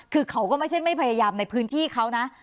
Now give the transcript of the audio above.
คือเขาก็ไม่ใช่ไม่พยายามในพื้นที่เขานะ